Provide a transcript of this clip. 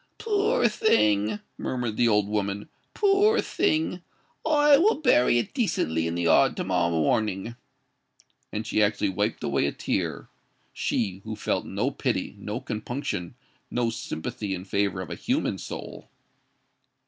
"Poor thing!" murmured the old woman: "poor thing! I will bury it decently in the yard to morrow morning." And she actually wiped away a tear,—she who felt no pity, no compunction, no sympathy in favour of a human soul!